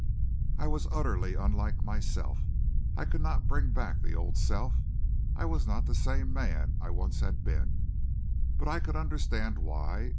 I was utterly unlike myself; I could not bring the old self back; I was not the same man I once had been. But I could understand why.